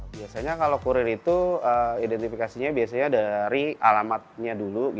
biasanya kalau kurir itu identifikasinya biasanya dari alamatnya dulu